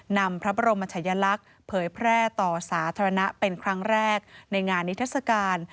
นำพระบรมชายลักษณ์เผยแพร่ต่อสาธารณะเป็นครั้งแรกในงานนิทัศกาล